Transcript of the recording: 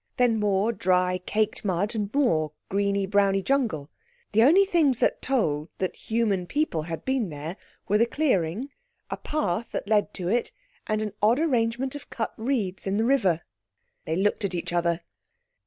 Then more dry, caked mud and more greeny browny jungle. The only things that told that human people had been there were the clearing, a path that led to it, and an odd arrangement of cut reeds in the river. They looked at each other.